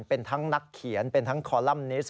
เป็นทั้งนักเขียนเป็นทั้งคอลัมนิสต